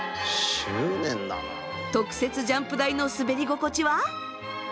特設ジャンプ台の滑り心地は？